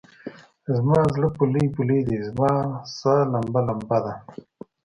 زما زړه پولۍ پولۍدی؛ رما سا لمبه لمبه ده